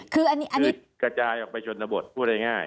คือกระจายออกไปชนบทพูดได้ง่าย